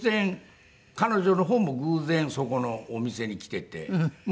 彼女の方も偶然そこのお店に来ていて。